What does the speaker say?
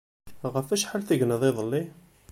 Ɣef acḥal tegneḍ iḍelli?